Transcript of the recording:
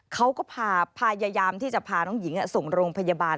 เขาก็พยายามที่จะพาน้องหญิงส่งโรงพยาบาล